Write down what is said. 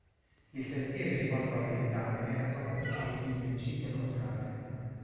Il sestiere di Porta Orientale era a sua volta suddiviso in cinque contrade